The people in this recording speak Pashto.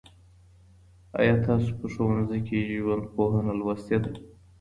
آیا تاسو په ښوونځي کي ژوندپوهنه لوستې ده؟